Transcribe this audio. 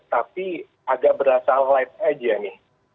tapi agak berasal light aja nih